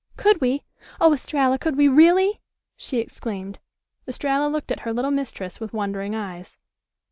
"Could we? Oh, Estralla, could we really?" she exclaimed. Estralla looked at her little mistress with wondering eyes.